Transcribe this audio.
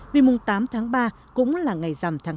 vì mùng tám tháng ba cũng là ngày rằm tháng hai